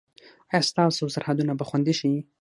ایا ستاسو سرحدونه به خوندي شي؟